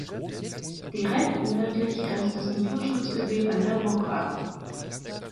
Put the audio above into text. Direkt nördlich grenzt das Naturschutzgebiet An der Burg an.